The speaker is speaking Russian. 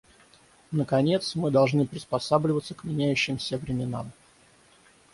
Наконец, мы должны приспосабливаться к меняющимся временам.